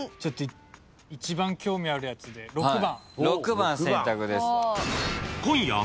一番興味あるやつで６番。